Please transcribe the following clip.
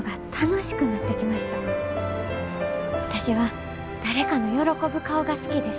私は誰かの喜ぶ顔が好きです。